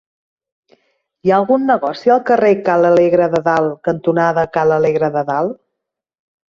Hi ha algun negoci al carrer Ca l'Alegre de Dalt cantonada Ca l'Alegre de Dalt?